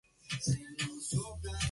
Se llama así en honor de Maurice Richard.